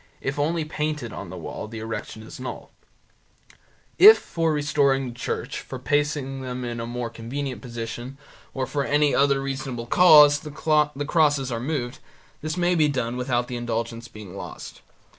If only painted on the wall the erection is null (Cong. Ind., 1837, 1838, 1845);If, for restoring the church, for placing them in a more convenient position, or for any other reasonable cause, the crosses are moved, this may be done without the indulgence being lost (1845).